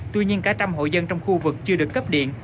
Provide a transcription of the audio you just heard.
tuy nhiên cả trăm hộ dân trong khu vực chưa được cấp điện